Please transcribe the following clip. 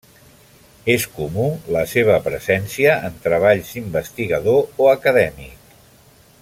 És comú la seva presència en treballs investigador o acadèmic.